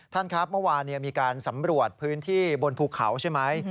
ท่านครับเมื่อวานมีการสำรวจพื้นที่บนภูเขาใช่ไหม